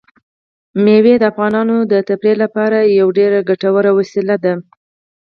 مېوې د افغانانو د تفریح لپاره یوه ډېره ګټوره وسیله ده.